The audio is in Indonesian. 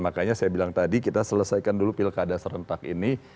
makanya saya bilang tadi kita selesaikan dulu pilkada serentak ini